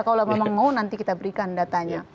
kalau memang mau nanti kita berikan datanya